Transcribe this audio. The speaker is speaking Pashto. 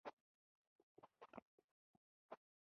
د پیرودونکي وفاداري د انسان صداقت ښيي.